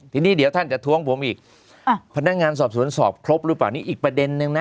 ทีนี้เดี๋ยวท่านจะท้วงผมอีกอ่ะพนักงานสอบสวนสอบครบหรือเปล่านี่อีกประเด็นนึงนะ